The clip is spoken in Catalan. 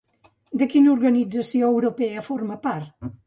De quina organització europea forma part?